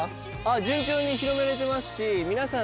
順調に広めれてますし皆さん